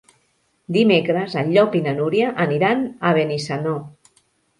Dimecres en Llop i na Núria aniran a Benissanó.